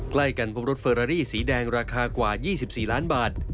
ใกล้กันพบรถเฟอรารี่สีแดงราคากว่า๒๔ล้านบาท